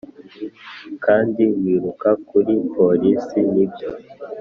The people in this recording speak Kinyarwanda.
kandi wiruka kuri polisi, nibyo